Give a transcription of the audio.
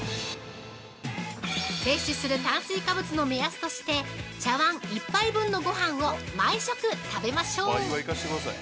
摂取する炭水化物の目安として茶碗１杯分のごはんを毎食食べましょう！